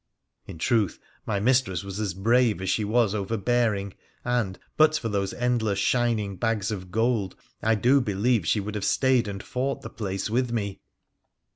In truth, my mistress was as brave as she was overbearing, and, but for those endless shining bags of gold, I do believe she would have stayed and fought the place with me.